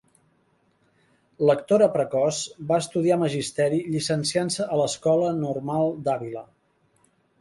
Lectora precoç, va estudiar Magisteri, llicenciant-se a l'Escola Normal d'Àvila.